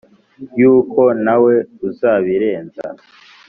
yuko ntawe uzabirenza